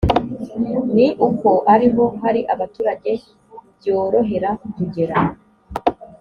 ni uko ariho hari abaturage byorohera kugera